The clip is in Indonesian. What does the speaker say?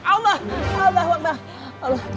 allah allah allah